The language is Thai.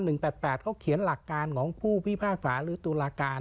เขาเขียนหลักการของผู้พิพากษาหรือตุลาการ